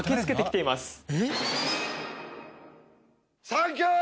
サンキュー！